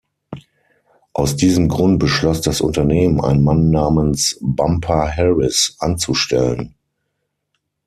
Aus diesem Grund beschloss das Unternehmen, einen Mann namens "Bumper Harris" anzustellen.